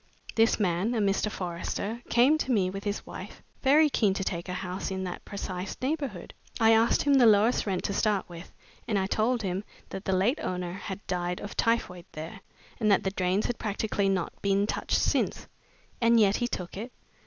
This man a Mr. Forrester came to me with his wife, very keen to take a house in that precise neighborhood. I asked him the lowest rent to start with, and I told him that the late owner had died of typhoid there, and that the drains had practically not been touched since." "And yet he took it?"